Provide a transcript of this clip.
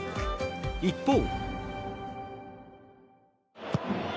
一方。